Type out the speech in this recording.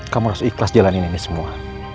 kamu harus ikhlas jalanin ini semua